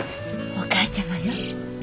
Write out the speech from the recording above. お母ちゃまよ。